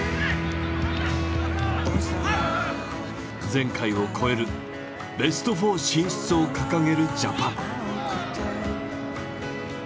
前回を超えるベスト４進出を掲げるジャパン。